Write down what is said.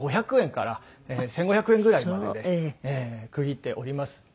５００円から１５００円ぐらいまでで区切っております。